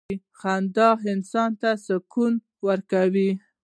• خندا انسان ته سکون ورکوي.